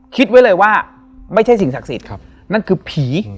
คิดไว้เลยว่าไม่ใช่สิ่งศักดิ์สิทธิ์นั่นคือผี